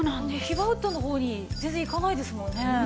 ヒバウッドの方に全然行かないですもんね。